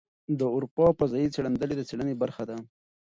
د اروپا فضايي څېړندلې د څېړنې برخه ده.